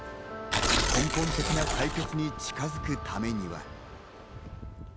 根本的な解決に近づくために。